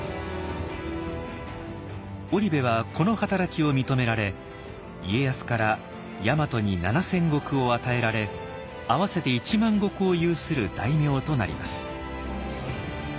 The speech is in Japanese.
織部はこの働きを認められ家康から大和に７，０００石を与えられ合わせて１万石を有する大名となります。